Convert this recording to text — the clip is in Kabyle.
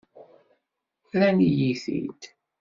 Rran-iyi-t-id.